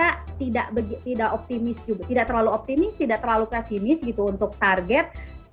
kita tidak optimis juga tidak terlalu optimis tidak terlalu pesimis gitu untuk target